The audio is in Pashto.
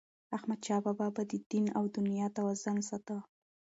احمدشاه بابا به د دین او دنیا توازن ساته.